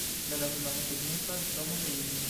La loknomo signifas: domo de Julio.